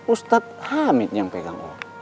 ustadz hamid yang pegang